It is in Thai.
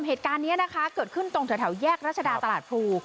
เหตุการณ์นี้นะคะเกิดขึ้นตรงแถวแยกรัชดาตลาดพลู